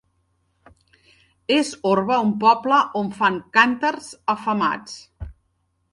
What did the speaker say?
És Orba un poble on fan cànters afamats.